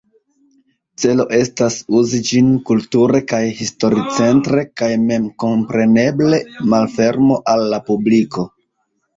Celo estas uzi ĝin kulture kaj historicentre kaj memkompreneble malfermo al la publiko.